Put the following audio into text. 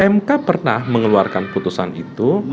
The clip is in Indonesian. mk pernah mengeluarkan putusan itu